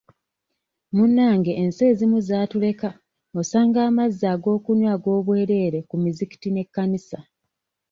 Munnange ensi ezimu zaatuleka osanga amazzi ag'okunywa ag'obwerere ku mizikiti n'ekkanisa.